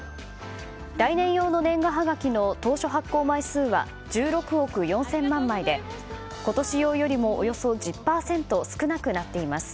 来年用の年賀はがきの当初発行枚数は１６億４０００万枚で今年よりもおよそ１０％少なくなっています。